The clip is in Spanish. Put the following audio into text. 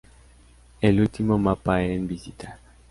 El último mapa en visitar.